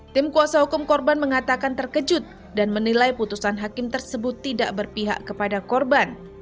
tim kuasa hukum korban mengatakan terkejut dan menilai putusan hakim tersebut tidak berpihak kepada korban